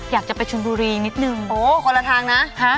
อยากจะไปชนบุรีนิดนึงโอ้คนละทางนะ